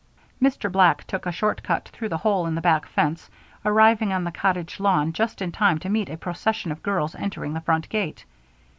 Mr. Black took a short cut through the hole in the back fence, arriving on the cottage lawn just in time to meet a procession of girls entering the front gate.